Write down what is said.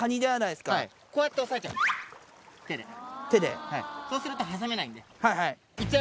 はい、そうすると挟めないんで。